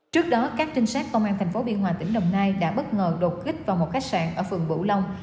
trước đó các trinh sát công an thành phố biên hòa tỉnh đồng nai đã bất ngờ đột kích vào một khách sạn ở phường bửu long